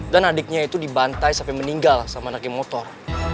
dan adiknya itu dibantai sampe meninggal sama naging motor